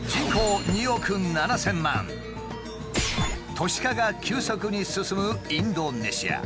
都市化が急速に進むインドネシア。